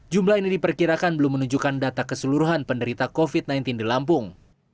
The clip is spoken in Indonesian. jumlah ini diperkirakan belum menunjukkan data keseluruhan penderita covid sembilan belas di lampung